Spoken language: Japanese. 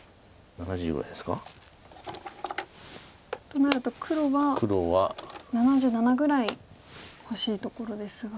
となると黒は７７ぐらい欲しいところですが。